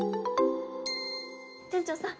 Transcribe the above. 店長さん